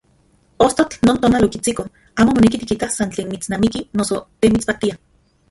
Ostotl non tonal okitsiko amo moneki tikitas san tlen mitsnamiki noso te mitspaktia.